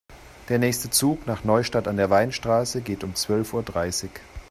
Der nächste Zug nach Neustadt an der Weinstraße geht um zwölf Uhr dreißig